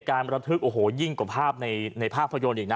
ระทึกโอ้โหยิ่งกว่าภาพในภาพยนตร์อีกนะ